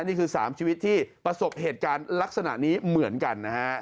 นี่คือ๓ชีวิตที่ประสบเหตุการณ์ลักษณะนี้เหมือนกันนะฮะ